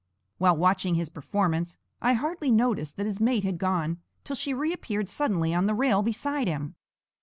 While watching his performance, I hardly noticed that his mate had gone till she reappeared suddenly on the rail beside him.